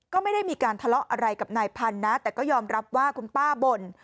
ก็ไม่ได้มีการทะเลาะอะไรกับนายพันธุ์นะแต่ก็ยอมรับว่าคุณป้าบ่น